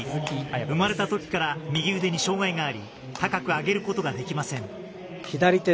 生まれたときから右腕に障がいがあり高く上げることができません。